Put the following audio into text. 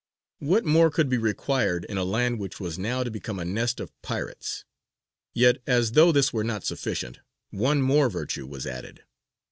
What more could be required in a land which was, now to become a nest of pirates? Yet, as though this were not sufficient, one more virtue was added.